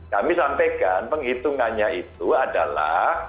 kami sampaikan penghitungannya itu adalah